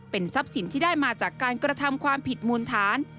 ทรัพย์สินที่ได้มาจากการกระทำความผิดมูลฐาน